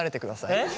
えっ？